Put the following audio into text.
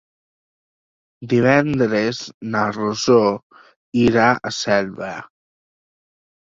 Divendres na Rosó irà a Selva.